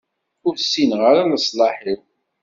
Ur ssineɣ ara leṣlaḥ-iw.